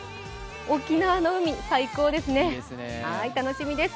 沖縄の海、最高ですね楽しみです。